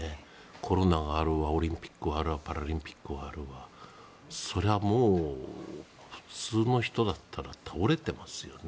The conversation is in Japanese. コロナはあるわオリンピックはあるわパラリンピックはあるわそれはもう、普通の人だったら倒れていますよね。